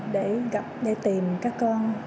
để gặp để tìm các con